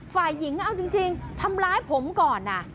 ฝ่ายหญิงเอาจริงทำร้ายผมก่อน